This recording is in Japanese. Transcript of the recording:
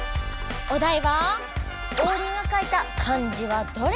おだいは「オウリンが書いた漢字はどれ？」。